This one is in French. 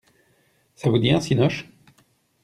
ça vous dit un cinoche?